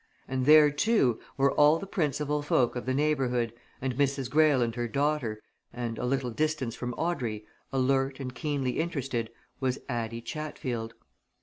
And there, too, were all the principal folk of the neighbourhood, and Mrs. Greyle and her daughter, and, a little distance from Audrey, alert and keenly interested, was Addie Chatfield.